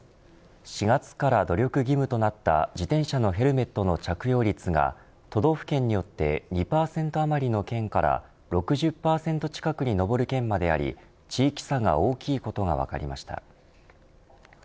４月から努力義務となった自転車のヘルメットの着用率が都道府県によって２％あまりの県から６０％近くに上る県まであり地域差が大きいことが分かりました。